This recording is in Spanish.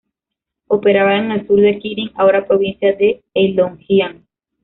Operaban en el sur de Kirin, ahora provincia de Heilongjiang.